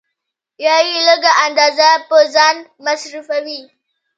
یا یې لږ اندازه په ځان مصرفوي